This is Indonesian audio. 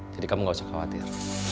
jadi kamu nggak usah khawatir